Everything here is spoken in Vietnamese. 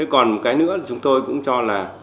còn cái nữa chúng tôi cũng cho là